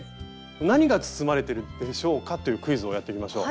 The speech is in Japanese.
何が包まれてるでしょうか？というクイズをやってみましょう。